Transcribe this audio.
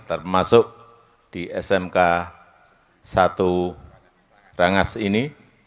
termasuk di smk satu rangas ini